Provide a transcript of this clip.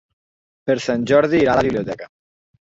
Per Sant Jordi irà a la biblioteca.